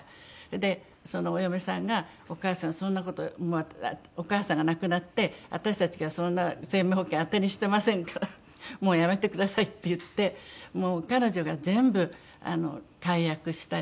でそのお嫁さんが「お義母さんそんな事お義母さんが亡くなって私たちがそんな生命保険当てにしてませんからもうやめてください」って言って彼女が全部解約したり。